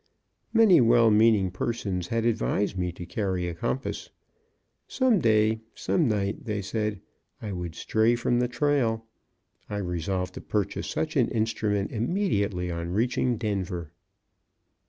Many well meaning persons had advised me to carry a compass. Some day, some night, they said, I would stray from the trail. I resolved to purchase such an instrument immediately on reaching Denver.